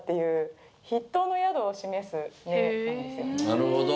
なるほど。